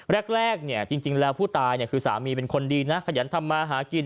แรกเนี่ยจริงแล้วผู้ตายคือสามีเป็นคนดีนะขยันทำมาหากิน